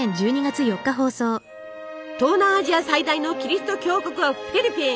東南アジア最大のキリスト教国フィリピン。